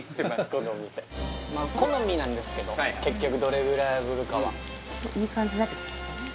このお店まあ好みなんですけど結局どれぐらい炙るかはいい感じになってきましたね